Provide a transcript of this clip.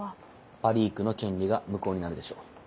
パリークの権利が無効になるでしょう。